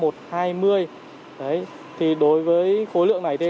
đối với khối lượng này